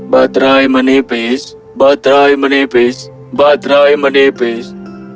batraya menipis batraya menipis batraya menipis